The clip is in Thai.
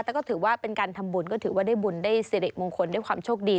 แต่ก็ถือว่าเป็นการทำบุญก็ถือว่าได้บุญได้สิริมงคลด้วยความโชคดี